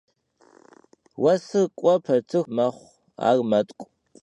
Vuesır k'ue petıxu nexh maş'e mexhu, ar metk'u.